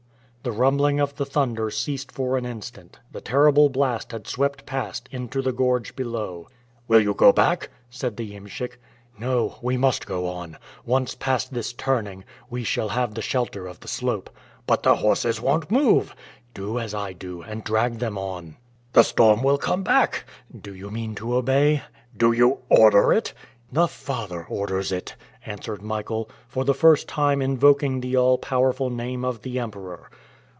The rumbling of the thunder ceased for an instant, the terrible blast had swept past into the gorge below. "Will you go back?" said the iemschik. "No, we must go on! Once past this turning, we shall have the shelter of the slope." "But the horses won't move!" "Do as I do, and drag them on." "The storm will come back!" "Do you mean to obey?" "Do you order it?" "The Father orders it!" answered Michael, for the first time invoking the all powerful name of the Emperor.